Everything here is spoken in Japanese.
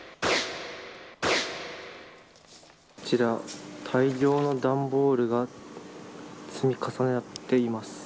こちら大量の段ボールが積み重なっています。